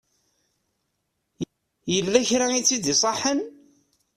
Yella kra i tt-id-iṣaḥen?